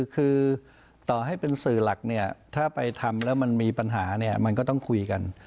คือต่อให้เป็นสื่อหลักเนี่ยถ้าไปทำแล้วมันมีปัญหาเนี่ยมันก็ต้องคุยกัน